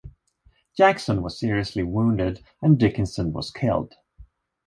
Jackson was seriously wounded and Dickinson was killed.